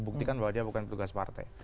buktikan bahwa dia bukan petugas partai